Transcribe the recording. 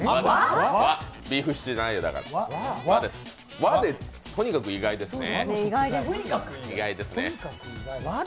ビーフシチューじゃないよ、だから和でとにかく意外ですね。